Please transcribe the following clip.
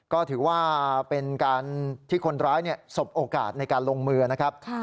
ก็ถือว่าเป็นการที่คนร้ายสบโอกาสในการลงมือนะครับ